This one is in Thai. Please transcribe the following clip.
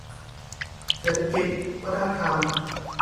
เศรษฐกิจวัฒนธรรม